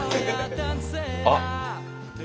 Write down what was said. あっ！